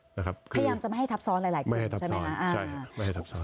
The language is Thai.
พยายามจะไม่ให้ทับซ้อนหลายกลุ่มใช่ไหมครับ